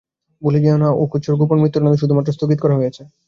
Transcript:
ভুলে যেয়ো না যে ওকোৎসুর গোপন মৃত্যুদণ্ড শুধুমাত্র স্থগিত করা হয়েছে।